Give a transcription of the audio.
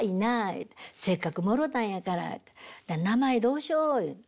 言うて「せっかくもろうたんやから名前どうしよう」言う。